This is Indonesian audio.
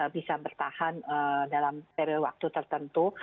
bisa bertahan dalam periode waktu tertentu